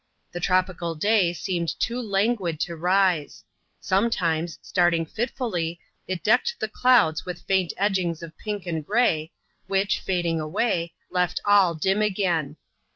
The tropical day seemed too languid to rise. Sometimes, starting fitfully, it decked the clouds with faint edgings of pink and gray, which, fading away, left all dim again.